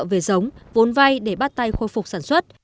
về giống vốn vay để bắt tay khôi phục sản xuất